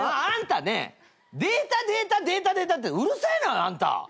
あんたねデータデータデータデータってうるさいのよあんた。